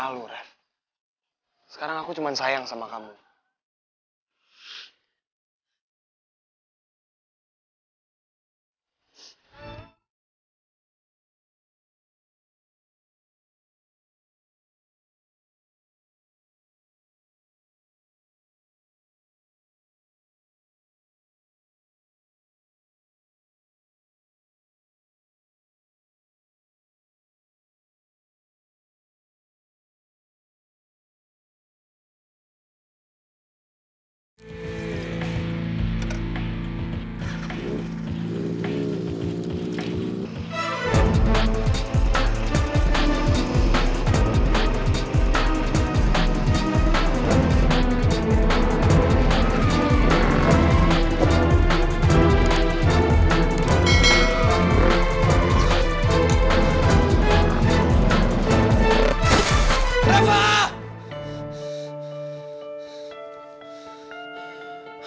hai dari orangnya adalah